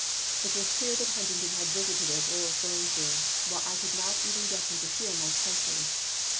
It was clear that Huntington had visited it or was going to, while I could not even get him to hear my prices.